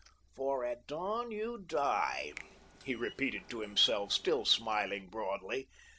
"'For at dawn you die!'" he repeated to himself, still smiling broadly.